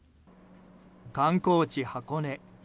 観光地・箱根。